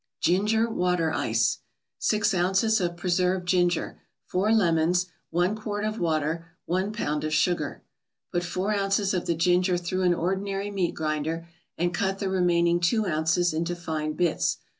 GINGER WATER ICE 6 ounces of preserved ginger 4 lemons 1 quart of water 1 pound of sugar Put four ounces of the ginger through an ordinary meat grinder, and cut the remaining two ounces into fine bits.